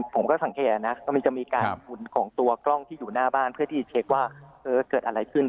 ผมก็สังเกตนะกำลังจะมีการหุ่นของตัวกล้องที่อยู่หน้าบ้านเพื่อที่จะเช็คว่าเกิดอะไรขึ้น